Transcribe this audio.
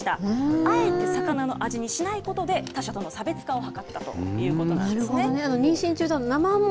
あえて魚の味にしないことで、他社との差別化を図ったということなんですね。